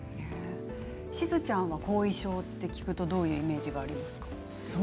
しずちゃんは後遺症と聞くとどういうイメージがありますか。